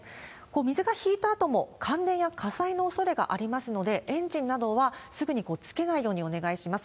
水が引いたあとも関電や火災の恐れがありますので、エンジンなどはすぐにつけないようにお願いします。